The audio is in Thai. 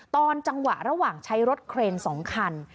ตอนจังหวะระหว่างใช้รถเครน๒คัน